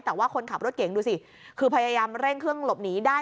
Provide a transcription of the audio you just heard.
แต่ว่าคนขับรถเก่งดูสิคือพยายามเร่งเครื่องหลบหนีได้